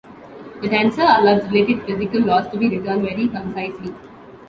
The tensor allows related physical laws to be written very concisely.